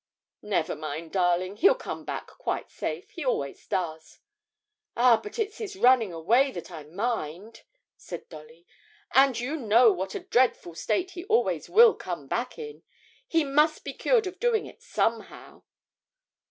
'Never mind, darling, he'll come back quite safe he always does.' 'Ah, but it's his running away that I mind,' said Dolly; 'and you know what a dreadful state he always will come back in. He must be cured of doing it somehow.'